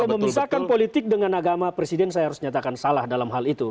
kalau memisahkan politik dengan agama presiden saya harus nyatakan salah dalam hal itu